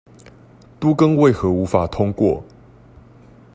都更為何無法通過